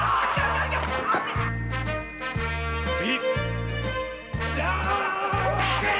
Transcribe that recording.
次！